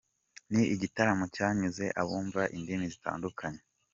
Ni igitaramo cyanyuze abumva indimi zitandukanye.